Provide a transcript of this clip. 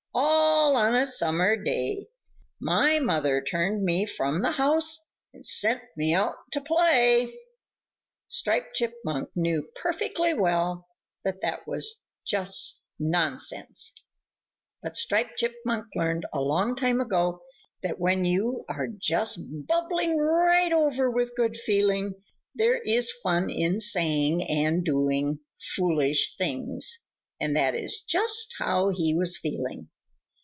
All on a summer day My mother turned me from the house and sent me out to play!" Striped Chipmunk knew perfectly well that that was just nonsense, but Striped Chipmunk learned a long time ago that when you are just bubbling right over with good feeling, there is fun in saying and doing foolish things, and that is just how he was feeling.